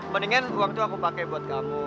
mendingan uang itu aku pakai buat kamu